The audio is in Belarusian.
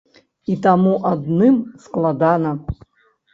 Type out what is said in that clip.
І таму адным складана.